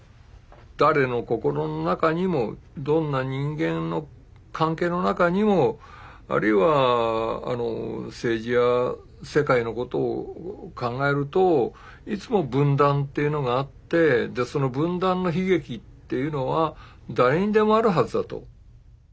誰の心の中にもどんな人間の関係の中にもあるいは政治や世界のことを考えるといつも分断っていうのがあってその分断の悲劇っていうのは誰にでもあるはずだと。